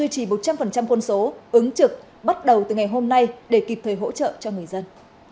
chỉ một trăm linh quân số ứng trực bắt đầu từ ngày hôm nay để kịp thời hỗ trợ cho người dân